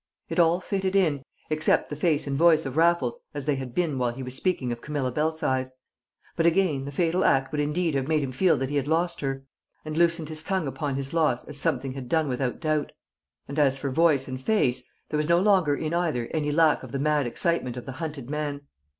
It all fitted in, except the face and voice of Raffles as they had been while he was speaking of Camilla Belsize; but again, the fatal act would indeed have made him feel that he had lost her, and loosened his tongue upon his loss as something had done without doubt; and as for voice and face, there was no longer in either any lack of the mad excitement of the hunted man.